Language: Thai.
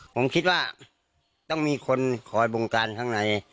ผมคิดว่าต้องมีคนคอยบงการข้างใน